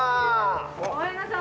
ごめんなさい。